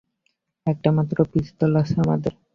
একটা মাত্র পিস্তল আছে আমাদের।